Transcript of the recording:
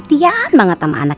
apa pas engeg gw wrestlemania